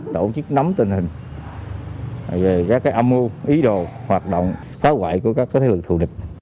tổ chức nắm tình hình về các âm mưu ý đồ hoạt động phá hoại của các thế lực thù địch